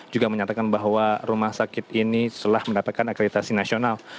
juga menyatakan bahwa rumah sakit ini telah mendapatkan akreditasi nasional